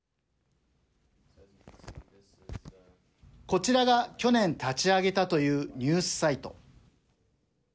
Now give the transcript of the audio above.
こちらが去年立ち上げたというニュースサイト。